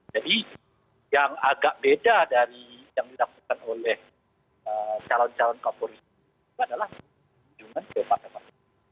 jadi yang agak beda dari yang dilakukan oleh calon calon kapolri adalah kunjungan ke pak demak